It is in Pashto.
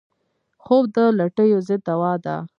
خوب د لټیو ضد دوا ده